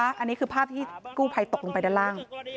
อันนี้คือภาพที่กู้ภัยตกลงไปด้านล่าง